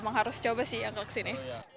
emang harus coba sih yang ke sini